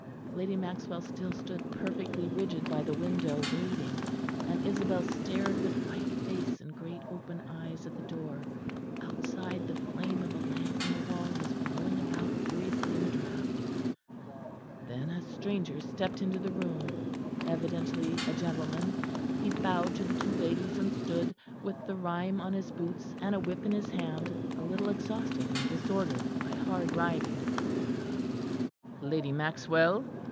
Lady Maxwell still stood perfectly rigid by the window, waiting, and Isabel stared with white face and great open eyes at the door; outside, the flame of a lamp on the wall was blowing about furiously in the draught. Then a stranger stepped into the room; evidently a gentleman; he bowed to the two ladies, and stood, with the rime on his boots and a whip in his hand, a little exhausted and disordered by hard riding. "Lady Maxwell?"